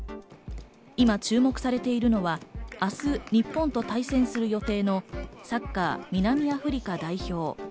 今、注目されているのは明日、日本と対戦する予定のサッカー、南アフリカ代表。